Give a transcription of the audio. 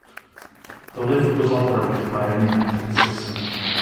The lift was operated by a pneumatic system.